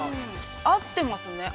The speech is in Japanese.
合ってますね。